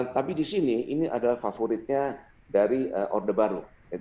tapi di sini ini adalah favoritnya dari orde baru